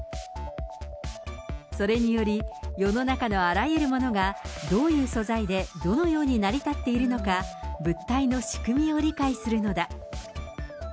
それにより、世の中のあらゆるものが、どういう素材で、どのように成り立っているのか、物体の仕組みを理解するのだ。